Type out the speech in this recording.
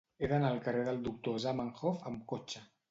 He d'anar al carrer del Doctor Zamenhof amb cotxe.